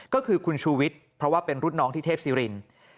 ก็คือคุณชูวิทย์เพราะว่าเป็นรุ่นน้องที่เทพศิรินทร์